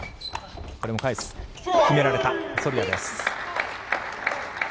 これも返す、決められたソルヤです。